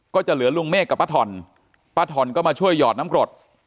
ก็จะเหลือลุงเมฆกับป้าถ่อนป้าถ่อนก็มาช่วยหยอดน้ำกรด